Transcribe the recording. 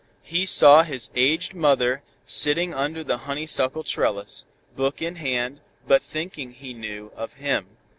He saw his aged mother sitting under the honeysuckle trellis, book in hand, but thinking, he knew, of him.